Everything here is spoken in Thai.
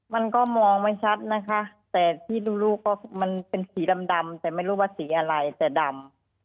มันก็มองไม่ชัดนะคะแต่ที่รู้ก็มันเป็นสีดำแต่ไม่รู้ว่าสีอะไรแต่ดำ